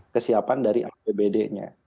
kesiapan dari apbd nya